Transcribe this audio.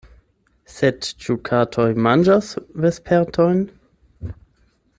Sed ĉu katoj manĝas vespertojn?